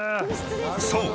［そう！